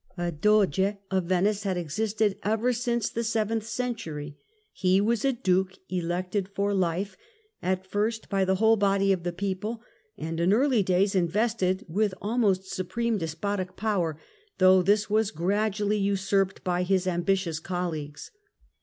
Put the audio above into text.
A Doge of Venice had existed ever since the seventh century ; he was a Duke elected for hfe, at first by the whole body of the people and in early days invested with almost supreme despotic powder, though this was gradually usurped by his ambitious colleagues.